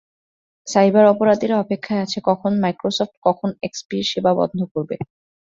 Cyber অপরাধীরা অপেক্ষায় আছে কখন মাইক্রোসফট কখন এক্সপির সেবা বন্ধ করবে।